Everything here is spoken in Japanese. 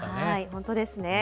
本当ですね。